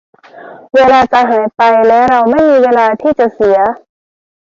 เวลาจะหายไปและเราไม่มีเวลาที่จะเสีย